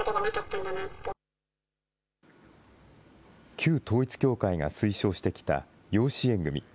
旧統一教会が推奨してきた養子縁組。